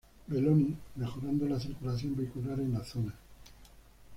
Belloni, mejorando la circulación vehicular en la zona.